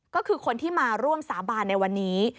ก็คือคนที่มาร่วมสาบานในวันนี้